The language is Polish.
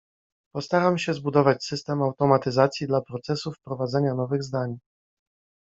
postaram się zbudować system automatyzacji dla procesu wprowadzania nowych zdań